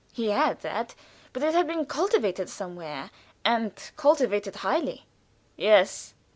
He had that, but it had been cultivated somewhere, and cultivated highly. "Yes?"